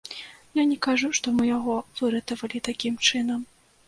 Я не кажу, што мы яго выратавалі такім чынам.